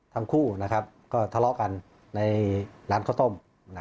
ทั้งคู่ก็ทะเลาะกันในร้านข้าวต้ม